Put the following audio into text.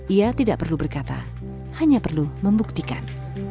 ia tidak perlu berkata hanya perlu membuktikan